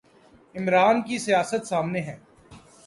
عمران کی سیاست سامنے ہے۔